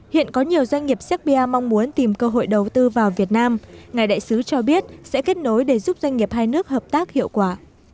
hiện có nhiều doanh nghiệp serbia mong muốn tìm cơ hội đầu tư vào việt nam ngài đại sứ cho biết sẽ kết nối để giúp doanh nghiệp hai nước hợp tác hiệu quả